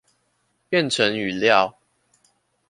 變成語料